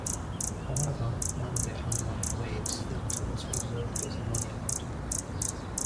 However, one of the harmonic waves filter was preserved as a monument.